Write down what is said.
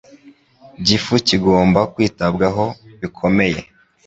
gifu kigomba kwitabwaho bikomeye.